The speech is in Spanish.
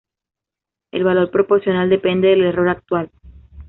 El valor Proporcional depende del error actual.